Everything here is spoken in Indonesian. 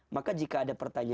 maka jika ada perbedaan itu